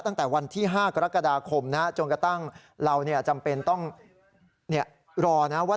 ตั้งแต่วันที่๕กรกฎาคมจนกระทั่งเราจำเป็นต้องรอนะว่า